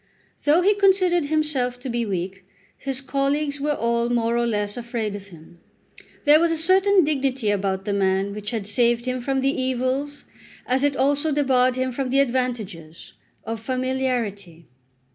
Though he considered himself to be weak, his colleagues were all more or less afraid of him. There was a certain silent dignity about the man which saved him from the evils, as it also debarred him from the advantages, of familiarity.